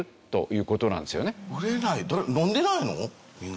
飲んでないの？